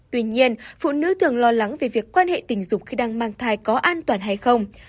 tuy nhiên phụ nữ thường lo lắng về việc quan hệ tình dục khi đang mang thai có an toàn hay không